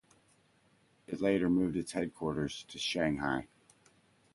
It later moved its headquarters to Shanghai.